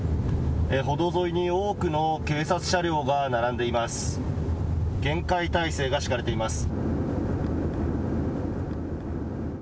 歩道沿いに多くの警察車両が並んでいます。